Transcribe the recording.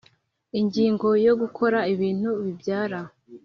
Ingingo ya Gukora ibintu bibyara